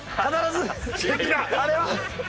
あれは。